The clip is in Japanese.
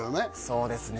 そうですね